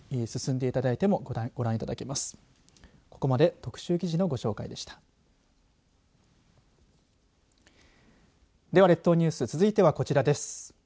では、列島ニュース続いてはこちらです。